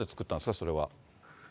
それは。